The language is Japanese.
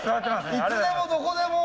いつでもどこでも。